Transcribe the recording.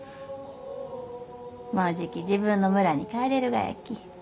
もうじき自分の村に帰れるがやき。